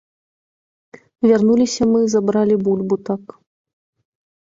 Вярнуліся мы, забралі бульбу так.